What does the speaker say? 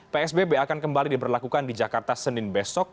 psbb akan kembali diberlakukan di jakarta senin besok